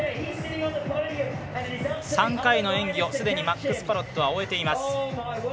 ３回の演技をすでにマックス・パロットは終えています。